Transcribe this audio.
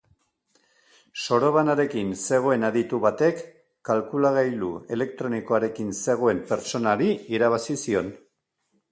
Sorobanarekin zegoen aditu batek kalkulagailu elektronikoarekin zegoen pertsonari irabazi zion.